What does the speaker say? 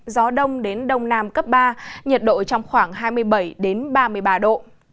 gió đông đến đông nam cấp ba nhiệt độ trong khoảng hai mươi bảy ba mươi ba độ